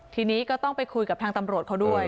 ทีนี้ก็ต้องไปคุยกับทางตำรวจเขาด้วย